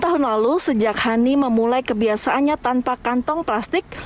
sepuluh tahun lalu sejak hani memulai kebiasaannya tanpa kantong plastik